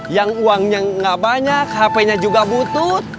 yang uangnya gak banyak hpnya juga butut